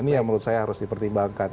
ini yang menurut saya harus dipertimbangkan